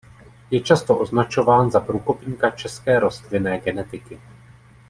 Je často označován za průkopníka české rostlinné genetiky.